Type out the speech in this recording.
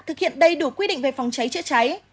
thực hiện đầy đủ quy định về phòng cháy chữa cháy